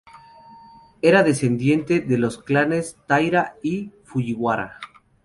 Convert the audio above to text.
Era descendiente de los clanes Taira y Fujiwara.